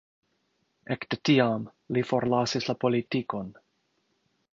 Ekde tiam li forlasis la politikon.